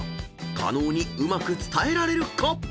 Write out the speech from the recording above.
［加納にうまく伝えられるか］